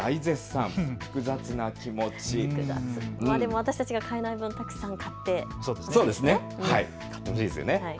私たちが買えない分、たくさん買ってほしいですね。